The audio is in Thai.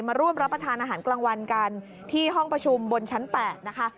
มาร่วมรับประทานอาหารกลางวันกันที่ห้องประชุมบนชั้น๘นะคะ